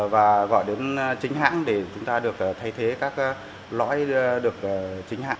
và gọi đến chính hãng để chúng ta được thay thế các lõi được chính hãng